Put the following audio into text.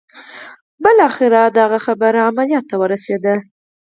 بالاخره د هغه خبره عمليات ته ورسېده.